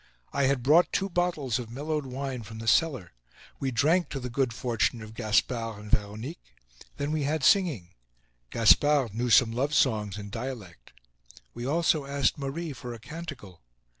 I had brought two bottles of mellowed wine from the cellar. We drank to the good fortune of Gaspard and Veronique. Then we had singing. Gaspard knew some love songs in dialect. We also asked Marie for a canticle.